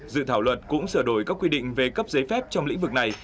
dự thảo luật cũng sửa đổi các quy định về cấp giấy phép trong lĩnh vực này